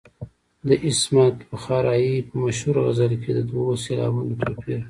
د عصمت بخارايي په مشهور غزل کې د دوو سېلابونو توپیر.